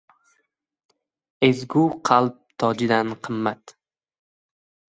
• Ezgu qalb ― tojdan qimmat.